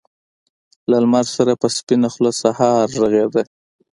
له لمر سره په سپينه خــــوله سهار غــــــــږېده